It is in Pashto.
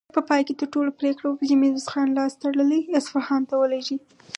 په پای کې ټولو پرېکړه وکړه چې ميرويس خان لاس تړلی اصفهان ته ولېږي.